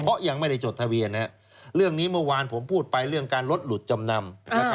เพราะยังไม่ได้จดทะเบียนเรื่องนี้เมื่อวานผมพูดไปเรื่องการลดหลุดจำนำ